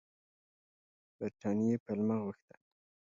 برټانیې پلمه غوښته.